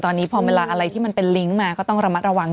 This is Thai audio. ตอนนี้พอเวลาอะไรที่มันเป็นลิงก์มาก็ต้องระมัดระวัง